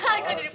oh bahagia kasih